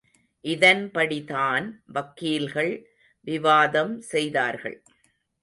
இதன்படிதான் வக்கீல்கள் விவாதம் செய்தார்கள்.